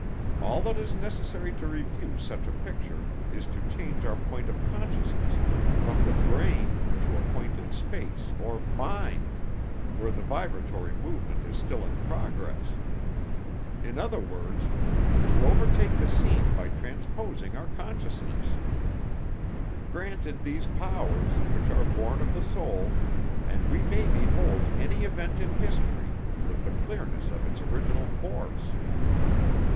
All that is necessary to review such a picture is to change our point of consciousness from the brain to a point in space or mind, where the vibratory movement is still in progress. In other words, to overtake the scene by transposing our consciousness. Granted these powers, which are born of the soul, and we may behold any event in history with the clearness of its original force.